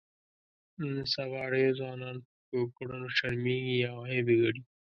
نن سبا ډېر ځوانان په ښو کړنو شرمېږي او عیب یې ګڼي.